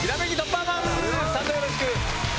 サンドよろしく。